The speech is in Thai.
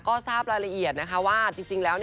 ก็ทราบรายละเอียดนะคะว่าจริงแล้ว